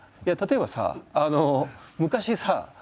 例えばさ昔さ